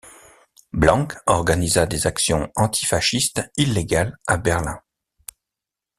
Blank organisa des actions antifascistes illégales à Berlin.